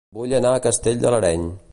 Vull anar a Castell de l'Areny